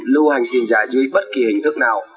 lưu hành tiền giả dưới bất kỳ hình thức nào